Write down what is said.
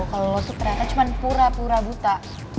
kalau lo tuh ternyata cuma pura pura buta